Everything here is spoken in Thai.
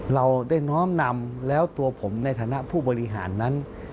เราได้น้อมนำแล้วตัวผมในฐานะผู้บริหารนั้น